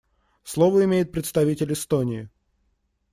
Слово имеет представитель Эстонии.